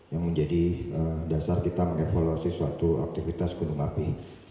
yang menjadi dasar kita mengevaluasi suatu aktivitas gunung api